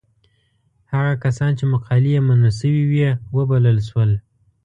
هغه کسان چې مقالې یې منل شوې وې وبلل شول.